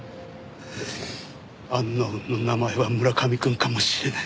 アンノウンの名前は村上くんかもしれない。